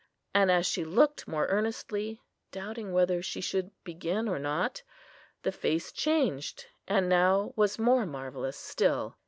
And as she looked more earnestly, doubting whether she should begin or not, the face changed, and now was more marvellous still.